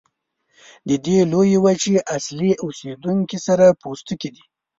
د دې لویې وچې اصلي اوسیدونکي سره پوستکي دي.